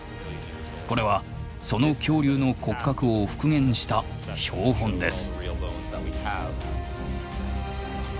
これはその恐竜の骨格を復元した標本です。